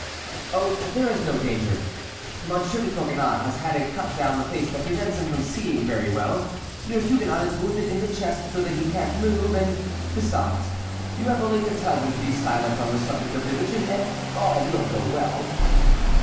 "Oh, there is no danger. Monsieur de Coconnas has had a cut down the face that prevents him from seeing very well; your Huguenot is wounded in the chest so that he can't move; and, besides, you have only to tell him to be silent on the subject of religion, and all will go well."